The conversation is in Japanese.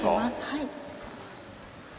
はい。